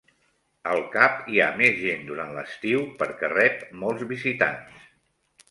Al Cap hi ha més gent durant l'estiu perquè rep molts visitants.